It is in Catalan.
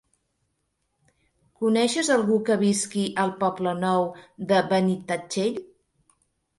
Coneixes algú que visqui al Poble Nou de Benitatxell?